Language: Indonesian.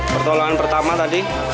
pertolongan pertama tadi